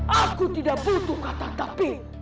aku tidak butuh kata tapi